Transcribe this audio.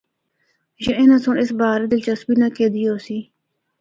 یا اُنّاں سنڑ اس بارے دلچسپی نہ گدی ہوسی۔